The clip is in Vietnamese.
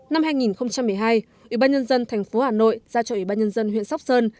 năm hai nghìn một mươi hai ủy ba nhân dân thành phố hà nội ra cho ủy ba nhân dân huyện sóc sơn